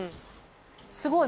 すごい！